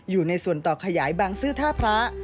อยู่ในส่วนต่อขยายบางซื่อท่าพระ